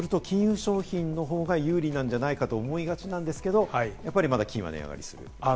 そうすると金融商品のほうが有利なんじゃないかと思いがちなんですけど、やっぱりまだ金は値上がりする。